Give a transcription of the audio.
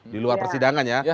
di luar persidangan ya